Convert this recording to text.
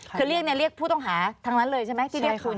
คือเรียกผู้ต้องหาทั้งนั้นเลยใช่ไหมที่เรียกคุณ